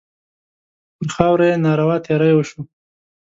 پر خاوره یې ناروا تېری وشو.